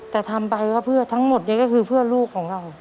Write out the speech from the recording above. แต่ทำไปก็เพื่อทั้งหมดนี้ก็คือเพื่อลูกของเรา